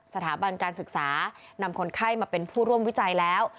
สถาบันการศึกษานำคนไข้มาเป็นผู้ร่วมวิจัยแล้ว